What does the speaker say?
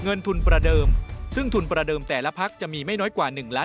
เงินทุนประเดิมซึ่งทุนประเดิมแต่ละพักจะมีไม่น้อยกว่า๑ล้าน